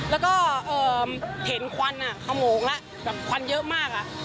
แล้วก็เห็นควันอ่ะเขาโง่งละควันเยอะมากอ่ะ